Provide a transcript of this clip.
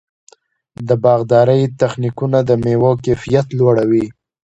د باغدارۍ تخنیکونه د مېوو کیفیت لوړوي.